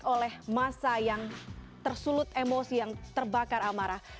oleh masa yang tersulut emosi yang terbakar amarah